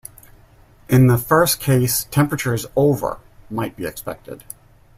In the first case, temperatures over might be expected.